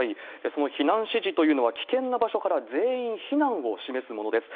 その避難指示というのは、危険な場所から全員避難を示すものです。